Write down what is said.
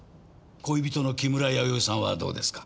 恋人の木村弥生さんはどうですか？